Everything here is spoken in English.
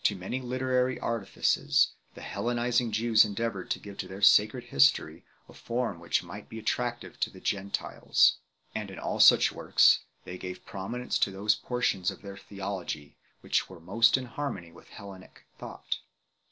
By many literary artifices the Hellenizing Jews endeavoured to give to their sacred history a form which might be attractive to the Gentiles. And in all such works, they gave prominence to those portions of their theology which were most in harmony with Hellenic thought.